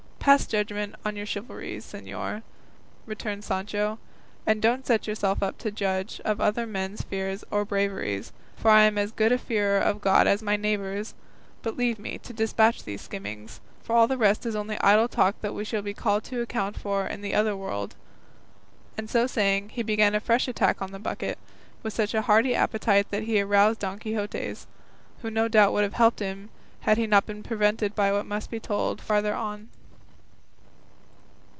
"Pass judgment on your chivalries, señor," returned Sancho, "and don't set yourself up to judge of other men's fears or braveries, for I am as good a fearer of God as my neighbours; but leave me to despatch these skimmings, for all the rest is only idle talk that we shall be called to account for in the other world;" and so saying, he began a fresh attack on the bucket, with such a hearty appetite that he aroused Don Quixote's, who no doubt would have helped him had he not been prevented by what must be told farther on.